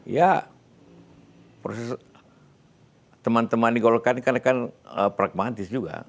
ya proses teman teman di golkar ini kan pragmatis juga